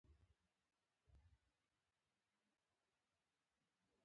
تاسو نه مننه